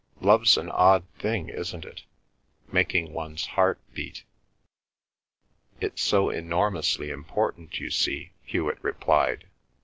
"Love's an odd thing, isn't it, making one's heart beat." "It's so enormously important, you see," Hewet replied.